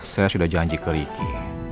saya sudah janji ke ricky